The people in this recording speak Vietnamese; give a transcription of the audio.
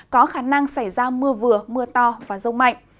có khả năng xảy ra mưa vừa mưa to và rông mạnh